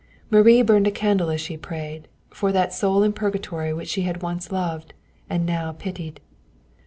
Marie burned a candle as she prayed, for that soul in purgatory which she had once loved, and now pitied.